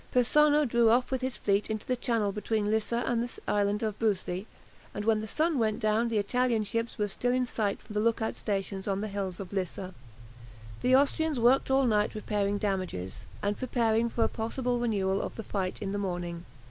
Persano drew off with his fleet into the channel between Lissa and the island of Busi, and when the sun went down the Italian ships were still in sight from the look out stations on the hills of Lissa. The Austrians worked all night repairing damages, and preparing for a possible renewal of the fight in the morning.